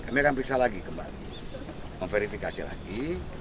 kami akan periksa lagi kembali memverifikasi lagi